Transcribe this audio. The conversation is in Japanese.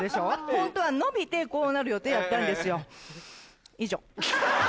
ホントは伸びてこうなる予定やったんですよ。